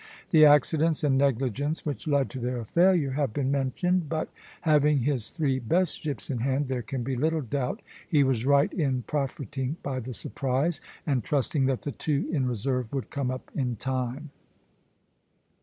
The accidents and negligence which led to their failure have been mentioned; but having his three best ships in hand, there can be little doubt he was right in profiting by the surprise, and trusting that the two in reserve would come up in time.